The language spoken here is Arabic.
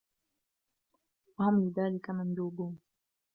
وَهُمْ لِذَلِكَ مَنْدُوبُونَ